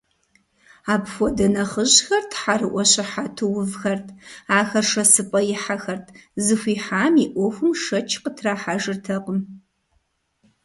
Апхуэдэ нэхъыжьхэр тхьэрыӀуэ щыхьэту увхэрт, ахэр шэсыпӀэ ихьэхэрт, зыхуихьам и Ӏуэхум шэч къытрахьэжыртэкъым.